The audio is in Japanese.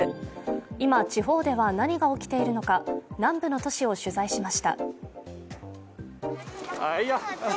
今、地方では何が起きているのか、南部の都市を取材しました。